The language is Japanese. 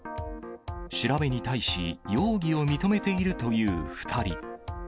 調べに対し、容疑を認めているという２人。